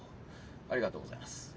ありがとうございます。